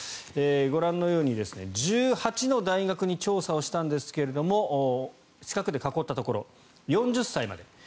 ご覧のように１８の大学に調査をしたんですが四角で囲ったところ４０歳まで。